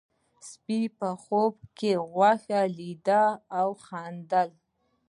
سپي په خوب کې غوښه لیدله او خندل.